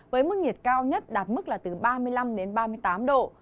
với mức nhiệt cao nhất đạt mức là từ ba mươi năm đến ba mươi tám độ